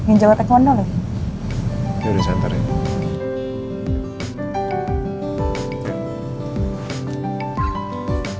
mau jawab aku nolong